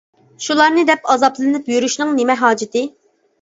شۇلارنى دەپ ئازابلىنىش يۈرۈشنىڭ نېمە ھاجىتى.